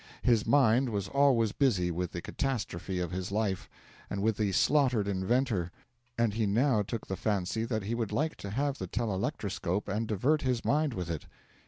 His mind was always busy with the catastrophe of his life, and with the slaughtered inventor, and he now took the fancy that he would like to have the telelectroscope and divert his mind with it.